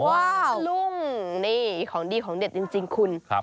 ว่าลุงนี่ของดีของเด็ดจริงคุณ